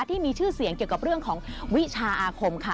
ที่มีชื่อเสียงเกี่ยวกับเรื่องของวิชาอาคมค่ะ